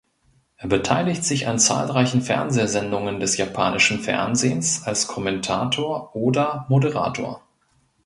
Er beteiligt sich an zahlreichen Fernsehsendungen des japanischen Fernsehens als Kommentator oder Moderator.